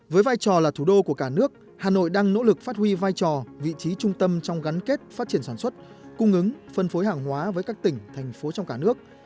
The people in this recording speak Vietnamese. với vai trò là thủ đô của cả nước hà nội đang nỗ lực phát huy vai trò vị trí trung tâm trong gắn kết phát triển sản xuất cung ứng phân phối hàng hóa với các tỉnh thành phố trong cả nước